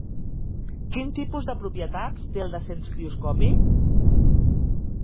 Quin tipus de propietats té el descens crioscòpic?